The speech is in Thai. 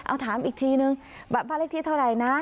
เอาถามอีกทีนึงแบบบ้านเลขที่เท่าไหร่นะ